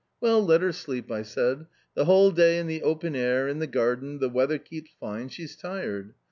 " Well, let her sleep," I said, the whole day in the open air, in the garden, the weather keeps fine, she's tired.